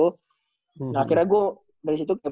nah akhirnya gue dari situ kayak berarti gitu loh